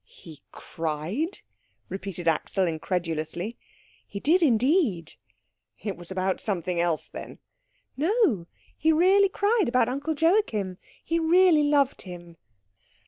"He cried?" repeated Axel incredulously. "He did indeed." "It was about something else, then." "No, he really cried about Uncle Joachim. He really loved him."